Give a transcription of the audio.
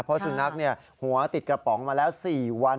เพราะสุนัขหัวติดกระป๋องมาแล้ว๔วัน